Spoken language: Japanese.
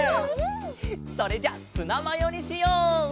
それじゃあツナマヨにしよう！